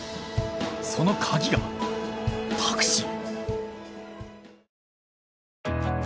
そのカギがタクシー？